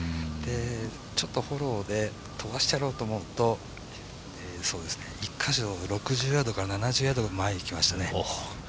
ちょっとフォローで飛ばしてやろうと思うと１カ所６０ヤードから７０ヤード前にいきましたね。